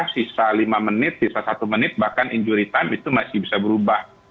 sisa lima menit sisa satu menit bahkan injury time itu masih bisa berubah